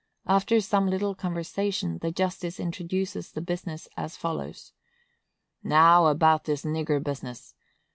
After some little conversation, the justice introduces the business as follows: "Now, about this nigger business.